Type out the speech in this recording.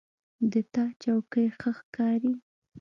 د تا چوکۍ ښه ښکاري